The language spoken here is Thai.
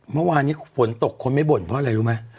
เมื่อวานนี้ฝนตกคนไม่บ่นเพราะอะไรรู้ไหม